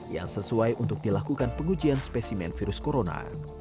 yang sesuai untuk dilakukan pengujian spesimen virus corona